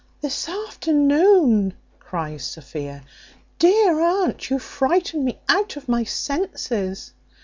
"This afternoon!" cries Sophia. "Dear aunt, you frighten me out of my senses."